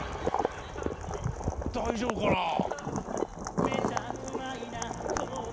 大丈夫かなぁ？